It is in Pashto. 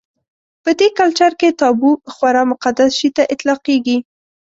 په دې کلچر کې تابو خورا مقدس شي ته اطلاقېږي.